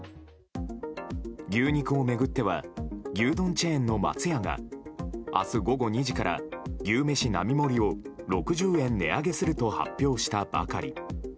牛肉を巡っては牛丼チェーンの松屋が明日午後２時から牛めし並盛りを６０円値上げすると発表したばかり。